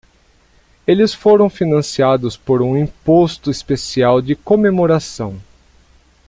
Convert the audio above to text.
Eles foram financiados por um imposto especial de comemoração.